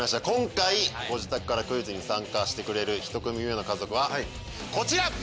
今回ご自宅からクイズに参加してくれる１組目の家族はこちら！